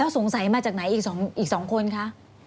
สงสัยมาจากไหนอีก๒คนคะ